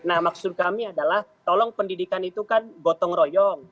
nah maksud kami adalah tolong pendidikan itu kan gotong royong